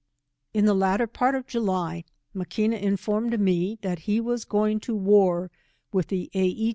In the latter part of July, Maquina informed me that he was going to war with the A ij.